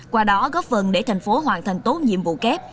qua đó góp phần để thành phố hoàn thành tốt nhiệm vụ kép